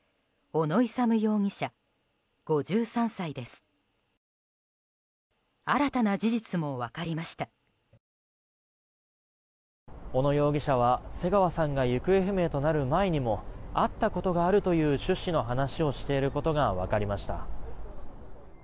小野容疑者は瀬川さんが行方不明となる前にも会ったことがあるという趣旨の話をしていることが分かりました。